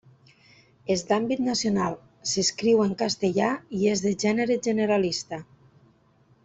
És d'àmbit nacional, s'escriu en castellà i és de gènere generalista.